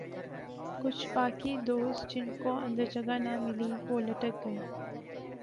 کچھ باقی دوست جن کو اندر جگہ نہ ملی وہ لٹک گئے ۔